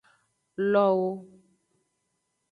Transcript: Lowo.